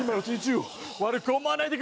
悪く思わないでくれ！